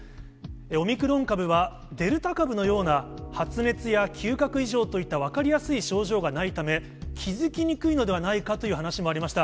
オミクロン株は、デルタ株のような発熱や嗅覚異常といった分かりやすい症状がないため、気付きにくいのではないかという話もありました。